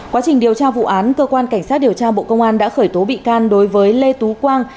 quá trình điều tra vụ án cơ quan cảnh sát điều tra bộ công an đã khởi tố bị can đối với lê tú quang